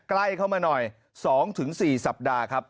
ใกล้เข้ามาหน่อย๒๔สัปดาห์ครับ